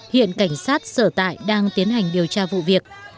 hiện cảnh sát sở tại đang tiến hành điều tra vụ việc